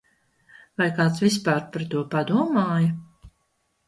Vai kāds vispār par to padomāja?